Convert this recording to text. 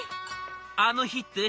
あの日って？」。